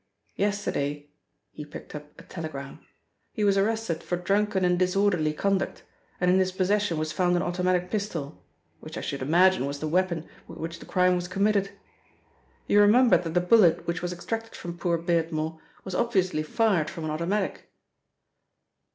Yesterday," he picked up a telegram, "he was arrested for drunken and' disorderly conduct, and in his possession was found an automatic pistol, which I should imagine was the weapon with which the crime was committed. You remember that the bullet which was extracted from poor Beardmore, was obviously fired from an automatic."